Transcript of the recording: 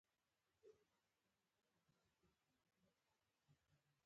مازديګر يې د سارا سر ور واړاوو او ور سپره يې کړه.